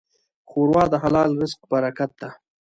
ښوروا د حلال رزق برکت ده.